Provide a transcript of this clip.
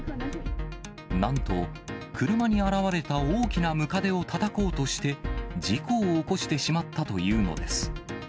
なんと、車に現れた大きなムカデをたたこうとして、事故を起こしてしまったというのです。